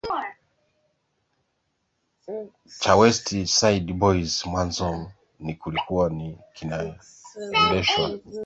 cha West Side Boys mwanzoni kilikuwa kinaendeshwa na